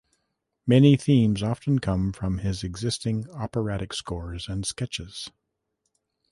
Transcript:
Many themes often come from his existing operatic scores and sketches.